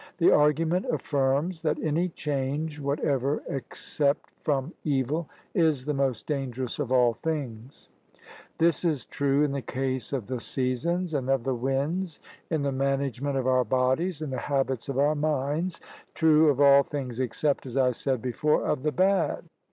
The argument affirms that any change whatever except from evil is the most dangerous of all things; this is true in the case of the seasons and of the winds, in the management of our bodies and the habits of our minds true of all things except, as I said before, of the bad.